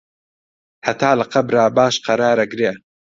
هەتا لە قەبرا باش قەرار ئەگرێ